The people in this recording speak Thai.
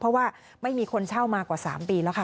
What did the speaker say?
เพราะว่าไม่มีคนเช่ามากว่า๓ปีแล้วค่ะ